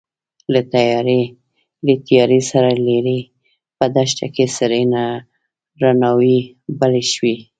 له تيارې سره ليرې په دښته کې سرې رڼاوې بلې شوې.